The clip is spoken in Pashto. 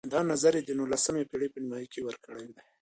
دا نظر یې د نولسمې پېړۍ په نیمایي کې ورکړی دی.